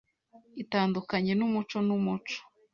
Itandukanye n'umuco n'umuco.